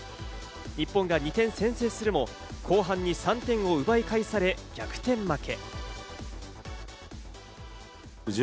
日本が２点先制するも後半に３点を奪い返され、逆転負け。